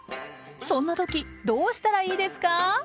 そんなときどうしたらいいですか？